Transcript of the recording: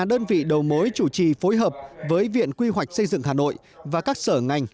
đơn vị đầu mối chủ trì phối hợp với viện quy hoạch xây dựng hà nội và các sở ngành